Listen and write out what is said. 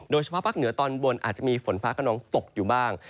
โดยเฉพาะภาคเหนือตอนบนอาจจะมีฝนฟ้าขนองตกอยู่บ้าง